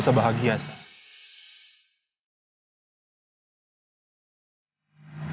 bisa diperhatiin sama nino